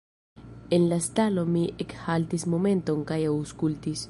En la stalo mi ekhaltis momenton kaj aŭskultis.